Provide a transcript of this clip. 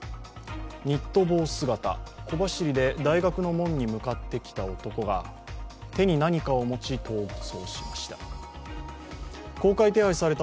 ニット帽姿、小走りで大学の門に向かってきた男が手に何かを持ち、逃走しました。